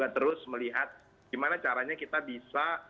terus melihat gimana caranya kita bisa